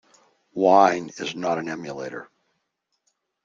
Wine is not an emulator.